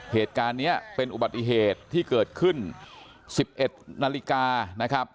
เหตุการณ์นี้เป็นอุบัติเหตุที่เกิดขึ้น๑๑นาฬิกานะครับ